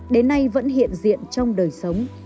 đến nay vẫn hiện diện trong đời sống